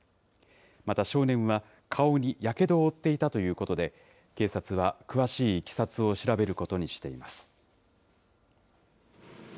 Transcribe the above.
また、少年は顔にやけどを負っていたということで、警察は詳しいいきさつを調べることにしています。